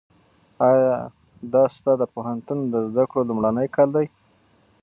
ایا دا ستا د پوهنتون د زده کړو لومړنی کال دی؟